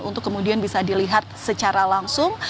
untuk kemudian bisa dilihat secara langsung